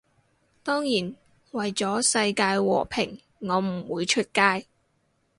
當然，為咗世界和平我唔會出街